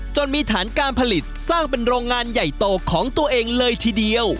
มีฐานการผลิตสร้างเป็นโรงงานใหญ่โตของตัวเองเลยทีเดียว